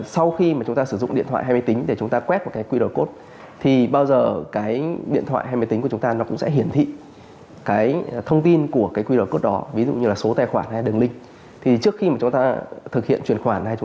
sau khi mà chúng ta quét qr code để tránh bị nguy cơ lừa đảo